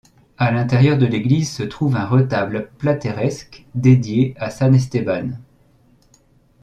À l'intérieur de l'église, se trouve un retable plateresque dédiée à San Esteban.